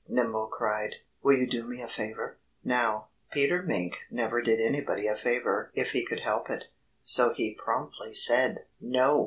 Nimble cried. "Will you do me a favor?" Now, Peter Mink never did anybody a favor if he could help it. So he promptly said, "No!"